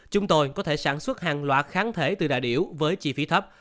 chúng tôi có thể sản xuất hàng loạt kháng thể từ đại biểu với chi phí thấp